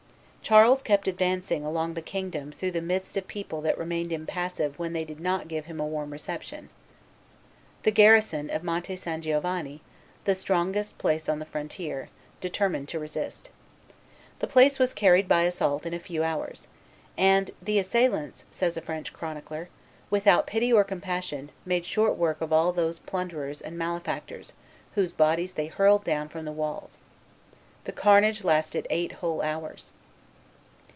Charles kept advancing along the kingdom through the midst of people that remained impassive when they did not give him a warm reception. The garrison of Monte San Giovanni, the strongest place on the frontier, determined to resist. The place was carried by assault in a few hours, and "the assailants," says a French chronicler, "without pity or compassion, made short work of all those plunderers and malefactors, whose bodies they hurled down from the walls. The carnage lasted eight whole hours."